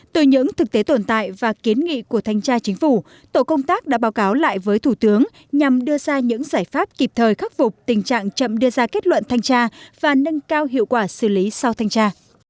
từ những thực tế tồn tại và kiến nghị của thanh tra chính phủ tổ công tác đã báo cáo lại với thủ tướng nhằm đưa ra những giải pháp kịp thời khắc phục tình trạng chậm đưa ra kết luận thanh tra và nâng cao hiệu quả xử lý sau thanh tra